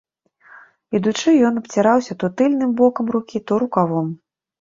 Ідучы, ён абціраўся то тыльным бокам рукі, то рукавом.